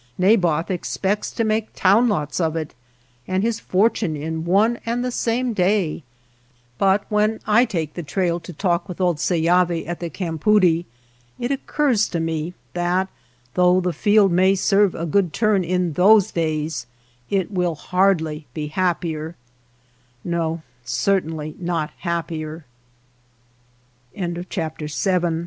Naboth expects to make town lots of it and his fortune in one and the same day ; but when I take the trail to talk with old Seyavi at the campoodie, it occurs to me that though the field may serve a good turn in those days it will hardly be